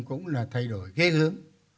cũng là thay đổi ghê hướng